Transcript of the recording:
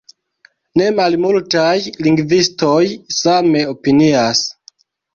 Nemalmultaj lingvistoj same opinias.